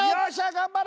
頑張れ！